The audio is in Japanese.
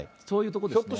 そういう所です。